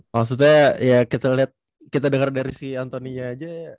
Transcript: maksudnya ya kita denger dari si antoni nya aja